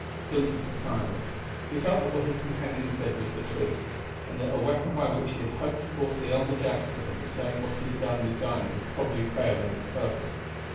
Vincent was silent. He felt that what his companion said was the truth; and that a weapon by which he had hoped to force the elder Jackson into saying what he had done with Dinah would probably fail in its purpose.